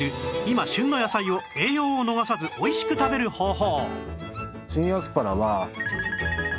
今旬の野菜を栄養を逃さずおいしく食べる方法